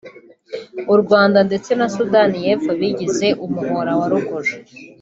u Rwanda ndetse Sudani y’Epfo bigize umuhora wa ruguru